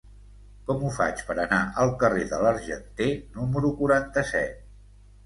Com ho faig per anar al carrer de l'Argenter número quaranta-set?